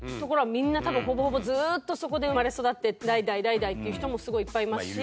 みんな多分ほぼほぼずーっとそこで生まれ育って代々代々っていう人もすごいいっぱいいますし。